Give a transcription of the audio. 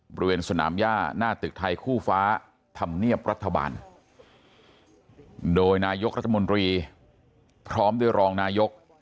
บริเวณสนามย่าหน้าตึกไทยคู่ฟ้าธรรมเนียบรัฐบาลโดยนายกรัฐมนตรีพร้อมด้วยรองนายก